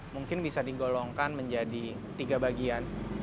mungkin bisa digolongkan menjadi tiga bagian